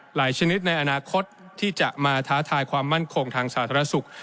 ชนิดในอนาคตที่จะมาท้าทายความมั่นคงทางสาธารณสุข